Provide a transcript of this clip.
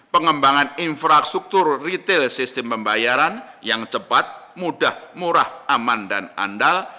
pengembangan infrastruktur retail sistem pembayaran yang cepat mudah murah aman dan andal